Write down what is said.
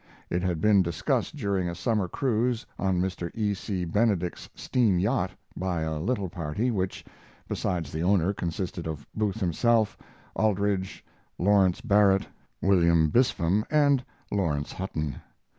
It had been discussed during a summer cruise on Mr. E. C. Benedict's steam yacht by a little party which, besides the owner, consisted of Booth himself, Aldrich, Lawrence Barrett, William Bispham, and Laurence Hutton.